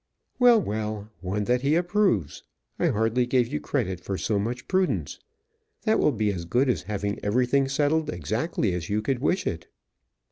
"Well, well; one that he approves. I hardly gave you credit for so much prudence. That will be as good as having everything settled exactly as you could wish it."